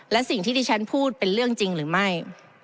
และสิ่งที่ที่ฉันพูดเป็นเรื่องจริงหรือไม่